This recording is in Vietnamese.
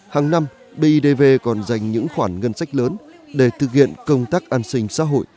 hàng năm bidv còn dành những khoản ngân sách lớn để thực hiện công tác an sinh xã hội